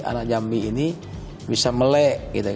anak jambi ini bisa melek